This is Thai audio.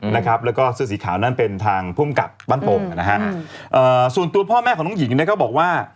แล้วก็เสื้อสีขาวนั้นเป็นทางพุ่มกับบ้านโป่งส่วนตัวพ่อแม่ของน้องหญิงก็บอกว่า